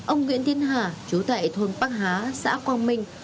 ông nguyễn tiến hà chú tại thôn bắc há xã quang minh